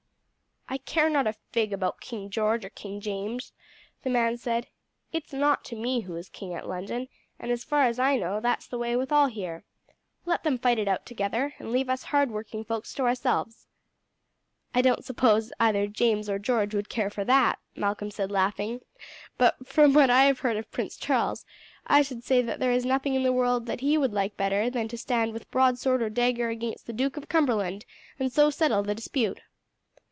'" "I care not a fig about King George or King James," the man said. "It's nought to me who is king at London, and as far as I know that's the way with all here. Let them fight it out together, and leave us hard working folks to ourselves." "I don't suppose either James or George would care for that," Malcolm said laughing; "but from what I have heard of Prince Charles I should say that there is nothing in the world that he would like better than to stand with broadsword or dagger against the Duke of Cumberland, and so settle the dispute."